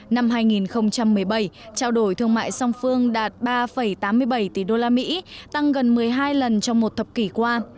năm hai nghìn một mươi bảy trao đổi thương mại song phương đạt ba tám mươi bảy tỷ usd tăng gần một mươi hai lần trong một thập kỷ qua